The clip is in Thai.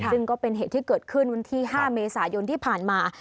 ซึ่งก็เป็นเหตุที่เกิดขึ้นวันที่๕เมษายนที่ผ่านมา